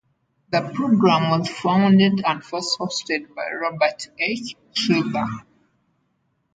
The program was founded and first hosted by Robert H. Schuller.